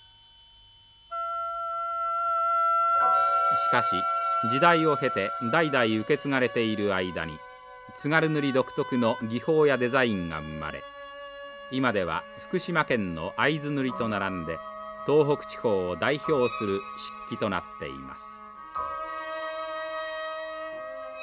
しかし時代を経て代々受け継がれている間に津軽塗独特の技法やデザインが生まれ今では福島県の会津塗と並んで東北地方を代表する漆器となっています。